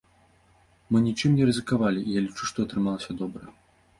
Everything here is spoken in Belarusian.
Мы нічым не рызыкавалі, і я лічу, што атрымалася добра.